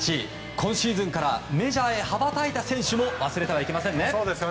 今シーズンからメジャーへ羽ばたいた選手も忘れてはいけませんね。